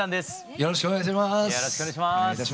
よろしくお願いします。